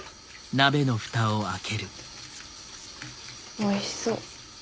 おいしそう。